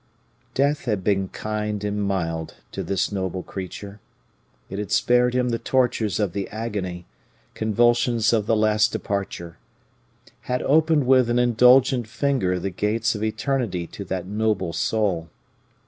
Death had been kind and mild to this noble creature. It had spared him the tortures of the agony, convulsions of the last departure; had opened with an indulgent finger the gates of eternity to that noble soul.